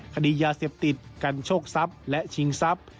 คดียาเสพติดกันโชคทรัพย์และชิงทรัพย์